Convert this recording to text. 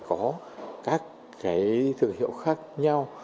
có các thương hiệu khác nhau